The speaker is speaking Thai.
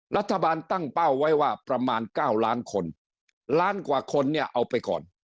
รัฐบาลตั้งเป้าไว้ว่าประมาณ๙ล้านคนล้านกว่าคนเนี่ยเอาไปก่อน